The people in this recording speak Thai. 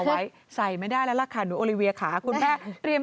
นี่ใส่ไม่ได้ค่ะเขาต้องซื้อใหม่